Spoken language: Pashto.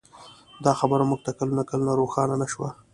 دا خبره موږ ته کلونه کلونه روښانه نه شوه.